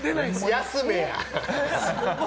休めや。